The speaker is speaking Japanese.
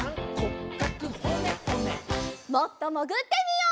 もっともぐってみよう。